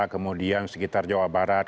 kemudian sekitar jawa barat